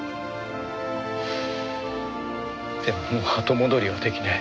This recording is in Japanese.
でももう後戻りは出来ない。